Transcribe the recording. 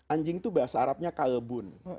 anjing itu bahasa arabnya kalbun